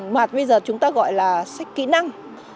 mà bây giờ chúng ta gọi là sách kỹ năng